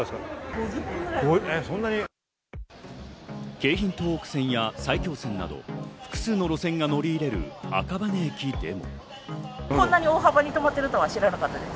京浜東北線や埼京線など複数の路線が乗り入れる赤羽駅でも。